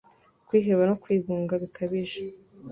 Kwiheba no kwigunga bikabije